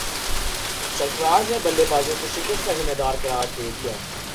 سرفراز نے بلے بازوں کو شکست کا ذمہ دار قرار دے دیا